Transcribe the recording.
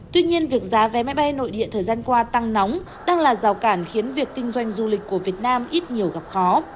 tuy nhiên việc giá vé máy bay nội địa thời gian qua tăng nóng đang là rào cản khiến việc kinh doanh du lịch của việt nam ít nhiều gặp khó